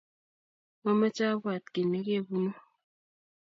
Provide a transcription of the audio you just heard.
momeche abwat kiit nekebunu